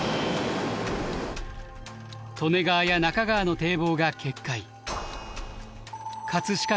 利根川や中川の堤防が決壊。